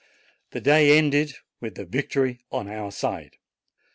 The day ended with the victory on our side.